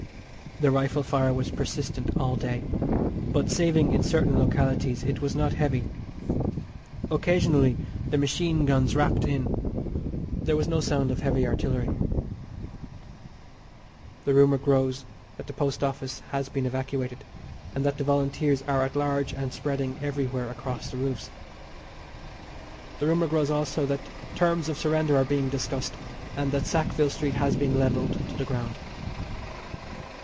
The rifle fire was persistent all day, but, saving in certain localities, it was not heavy. Occasionally the machine guns rapped in. There was no sound of heavy artillery. The rumour grows that the Post Office has been evacuated, and that the Volunteers are at large and spreading everywhere across the roofs. The rumour grows also that terms of surrender are being discussed, and that Sackville Street has been levelled to the ground.